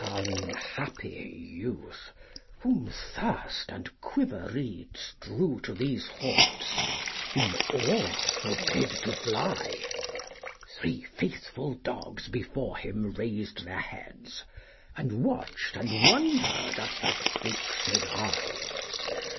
" Unhappy youth, whom thirst and quiver reeds Drew to these haunts, whom awe forbade to fly ! Three faithful dogs before him rais'd their heads, And watched and wonder'd at that fixed eye.